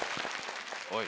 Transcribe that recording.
おい！